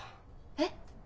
えっ？